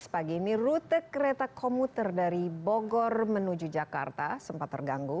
pagi ini rute kereta komuter dari bogor menuju jakarta sempat terganggu